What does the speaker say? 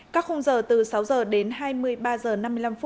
các khung giờ từ sáu h đến hai mươi ba h năm mươi năm